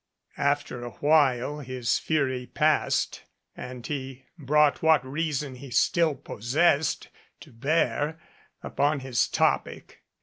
After a while his fury passed and he brought what reason he still possessed to bear upon his topic.